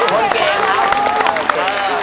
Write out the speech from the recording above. เก่งครับครับ